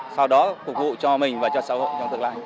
sau đó phục vụ cho mình và cho xã hội trong tương lai